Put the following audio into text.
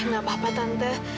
gak apa apa tante